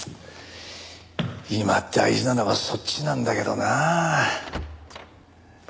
今大事なのはそっちなんだけどなあ。